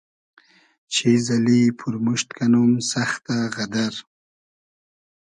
چیز اللی پورموشت کئنوم سئختۂ غئدئر